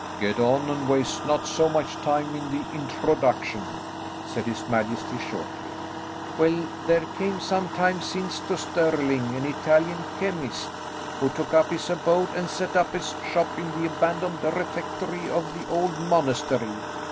"Get on, and waste not so much time in the introduction," said his majesty shortly. "Well, there came some time since to Stirling, an Italian chemist, who took up his abode and set up his shop in the abandoned refectory of the old Monastery.